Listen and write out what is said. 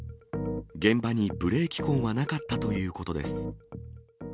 現場にブレーキ痕はなかったということです。